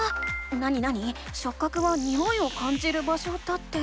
なになに「しょっ角はにおいを感じる場所」だって。